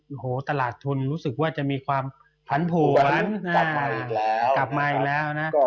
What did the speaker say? โอ้โหตลาดทุนรู้สึกว่าจะมีความผันผวนกลับมาอีกแล้วนะ